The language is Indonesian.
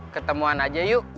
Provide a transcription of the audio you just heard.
ketemuan aja yuk